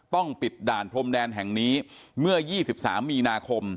ต้องปิดด่านพรมแดนแห่งนี้เมื่อ๒๓มีนาคม